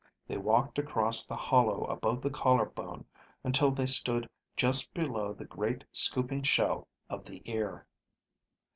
They walked across the hollow above the collar bone until they stood just below the great scooping shell of the ear.